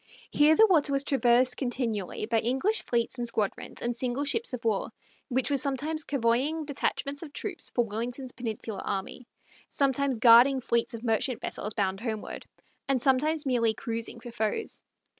Here the water was traversed continually by English fleets and squadrons and single ships of war, which were sometimes covoying detachments of troops for Wellington's Peninsular army, sometimes guarding fleets of merchant vessels bound homeward, and sometimes merely cruising for foes.